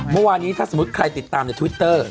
เมื่อวานี้ถ้าสมมุติใครติดตามในทวิตเตอร์